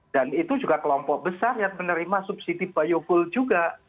dan itu juga kelompok besar yang menerima subsidi biofuel juga